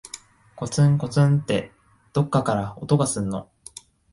こつんこつんって、どっかから音がすんの。